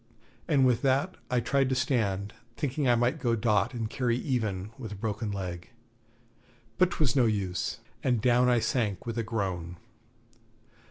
And with that I tried to stand, thinking I might go dot and carry even with a broken leg. But 'twas no use, and down I sank with a groan.